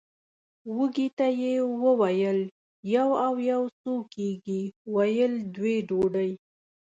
وږي ته یې وویل یو او یو څو کېږي ویل دوې ډوډۍ!